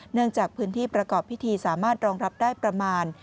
เนื่องจากพื้นที่ประกอบพิธีสามารถรองรับได้ประมาณ